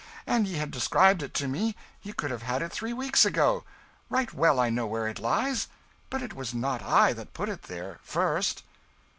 An' ye had described it to me, ye could have had it three weeks ago. Right well I know where it lies; but it was not I that put it there first."